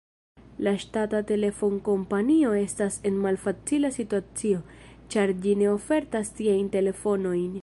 La ŝtata telefonkompanio estas en malfacila situacio, ĉar ĝi ne ofertas tiajn telefonojn.